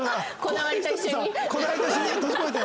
こだわりと一緒に閉じ込めて。